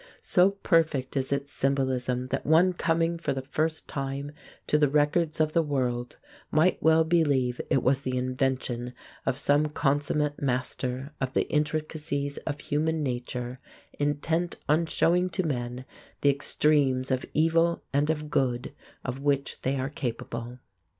So perfect is its symbolism that one coming for the first time to the records of the world might well believe it the invention of some consummate master of the intricacies of human nature, intent on showing to men the extremes of evil and of good of which they are capable.